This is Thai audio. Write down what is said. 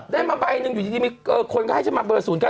ได้มาใบหนึ่งอยู่ดีมีคนก็ให้ฉันมาเบอร์ศูนย์หนึ่ง